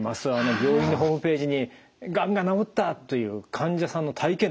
病院のホームページに「がんが治った」という患者さんの体験談。